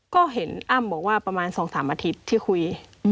ก็เห็นอ้ำบอกว่าประมาณ๒๓อาทิตย์ที่คุย